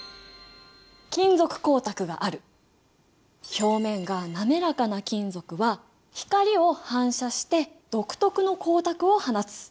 表面が滑らかな金属は光を反射して独特の光沢を放つ。